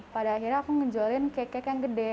pada akhirnya aku ngejualin kek kek yang gede